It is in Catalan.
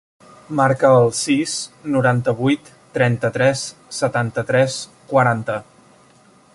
Marca el sis, noranta-vuit, trenta-tres, setanta-tres, quaranta.